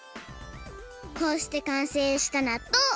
こうしてかんせいしたなっとう！